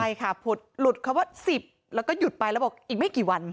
ใช่ค่ะผุดหลุดคำว่า๑๐แล้วก็หยุดไปแล้วบอกอีกไม่กี่วัน